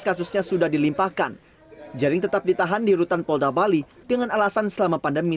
kasusnya sudah dilimpahkan jaring tetap ditahan di rutan polda bali dengan alasan selama pandemi